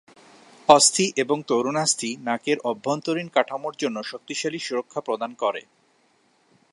অস্থি এবং তরুণাস্থি নাকের অভ্যন্তরীণ কাঠামোর জন্য শক্তিশালী সুরক্ষা প্রদান করে।